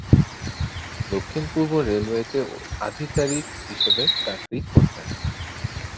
দক্ষিণ-পূর্ব রেলওয়েতে আধিকারিক হিসেবে চাকরি করতেন।